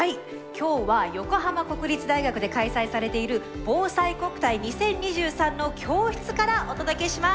今日は横浜国立大学で開催されている「ぼうさいこくたい２０２３」の教室からお届けします。